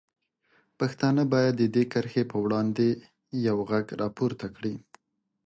پښتانه باید د دې کرښې په وړاندې یوغږ راپورته کړي.